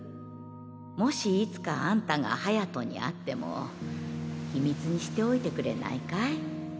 もしいつかあんたが隼に会っても秘密にしておいてくれないかい？